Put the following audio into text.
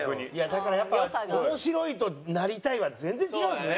だからやっぱ「面白い」と「なりたい」は全然違うんですね。